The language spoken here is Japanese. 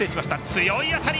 強い当たり！